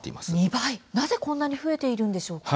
なぜ、こんなに増えているんでしょうか？